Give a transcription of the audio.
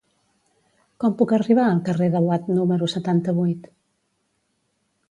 Com puc arribar al carrer de Watt número setanta-vuit?